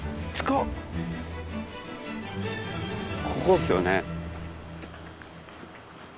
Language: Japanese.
ここっすよね。